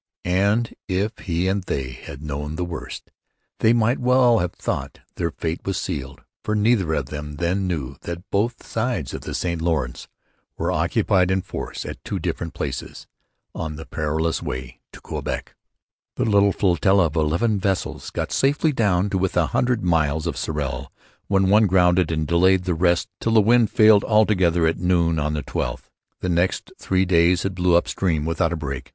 And if he and they had known the worst they might well have thought their fate was sealed; for neither of them then knew that both sides of the St Lawrence were occupied in force at two different places on the perilous way to Quebec. The little flotilla of eleven vessels got safely down to within a few miles of Sorel, when one grounded and delayed the rest till the wind failed altogether at noon on the 12th. The next three days it blew upstream without a break.